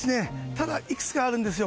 ただ、いくつかあるんですよ。